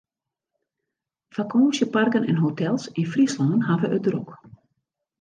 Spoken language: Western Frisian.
Fakânsjeparken en hotels yn Fryslân hawwe it drok.